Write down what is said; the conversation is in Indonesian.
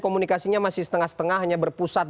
komunikasinya masih setengah setengah hanya berpusat